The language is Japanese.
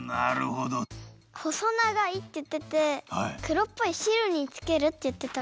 ほそながいっていっててくろっぽいしるにつけるっていってた。